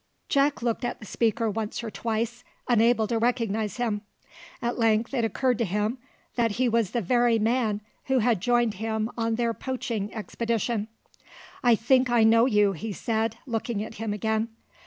Jack looked at the speaker once or twice, unable to recognise him. At length it occurred to him that he was the very man who had joined him on their poaching expedition. "I think I know you," he said, looking at him again.